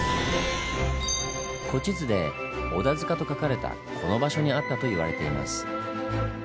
古地図で「織田塚」と書かれたこの場所にあったと言われています。